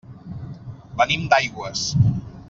Venim d'Aigües.